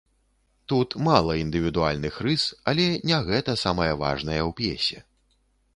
Тут мала індывідуальных рыс, але не гэта самае важнае ў п'есе.